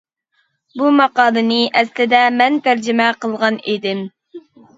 بۇ ماقالىنى ئەسلىدە مەن تەرجىمە قىلغان ئىدىم.